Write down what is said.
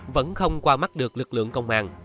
vẫn không qua mắt được lực lượng công an